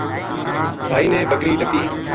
بھائی نے بکری ڈکی